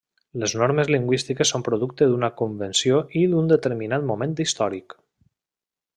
Les normes lingüístiques són producte d'una convenció i d'un determinat moment històric.